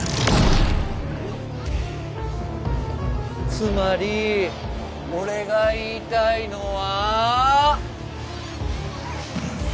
つまり俺が言いたいのは。